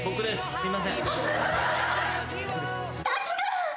すいません。